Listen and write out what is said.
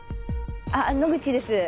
あっ野口です。